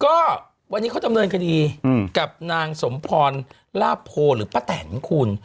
ก็วันนี้เขาดำเนินคดีกับนางสมพรลาโพหรือป้าแตนคุณ